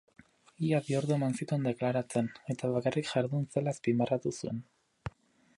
Ia bi ordu eman zituen deklaratzen, eta bakarrik jardun zela azpimarratu zuen.